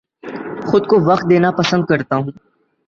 خود کو وقت دنیا پسند کرتا ہوں